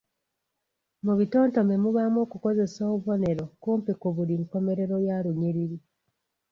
Mu bitontome mubaamu okukozesa obubonero kumpi ku buli nkomerero ya lunyiriri